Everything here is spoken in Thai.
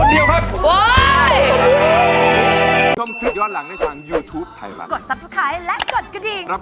ได้เพียงคนเดียวครับ